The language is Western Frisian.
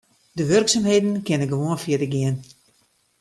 De wurksumheden kinne gewoan fierder gean.